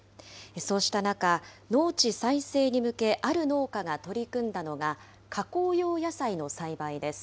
そうした中、農地再生に向け、ある農家が取り組んだのが、加工用野菜の栽培です。